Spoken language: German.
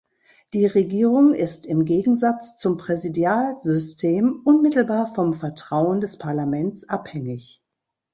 Die Regierung ist im Gegensatz zum Präsidialsystem unmittelbar vom Vertrauen des Parlaments abhängig.